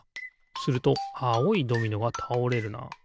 するとあおいドミノがたおれるな。